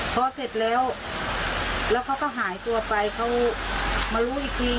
พอเสร็จแล้วแล้วเขาก็หายตัวไปเขามารู้อีกที